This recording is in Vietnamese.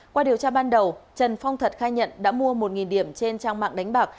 qua điều tra ban đầu trần phong thật khai nhận đã mua một điểm trên trang mạng đánh bạc